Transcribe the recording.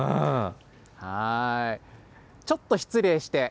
ちょっと失礼して。